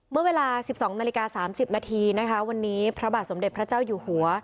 เมื่อเวลา๑๒นาฬิกา๓๐นาทีนะคะวันนี้พระบาทสมเด็จพระเจ้าอยู่หัว